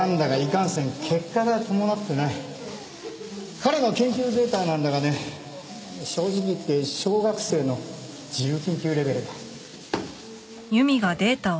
彼の研究データなんだがね正直言って小学生の自由研究レベルだ。